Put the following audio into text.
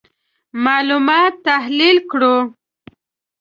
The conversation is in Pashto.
معلومات تحلیل کړو.